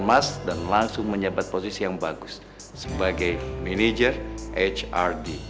mas dan langsung menyebabkan posisi yang bagus sebagai manager hrd